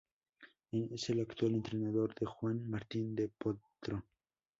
Es el actual entrenador de Juan Martin Del Potro.